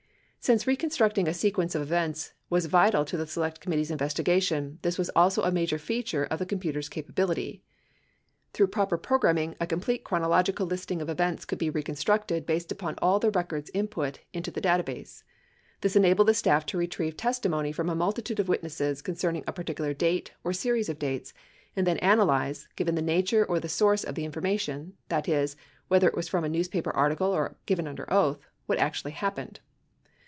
Since reconstructing a sequence of events was vital to the Select Committee's investigation, this was also a major feature of the com puter's capability. Through proper programing, a complete chrono logical listing of events could be reconstructed based upon all the records input into the data base. This enabled the staff to retrieve testi 1091 mony from a multitude of witnesses concerning a particular date or series of dates, and then analyze — given the nature or the source of the information, that is, whether it was from a newspaper article or given under oath — what actually happened.